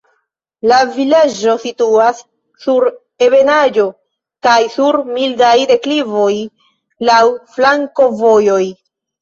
La vilaĝo situas sur ebenaĵo kaj sur mildaj deklivoj laŭ flankovojoj.